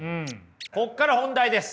ここから本題です。